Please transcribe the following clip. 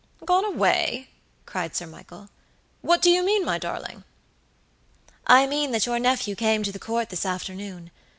"Gone away!" cried Sir Michael. "What do you mean, my darling?" "I mean that your nephew came to the Court this afternoon.